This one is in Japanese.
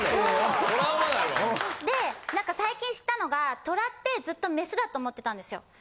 最近知ったのが、虎ってずっと雌だと思ってたんですよ。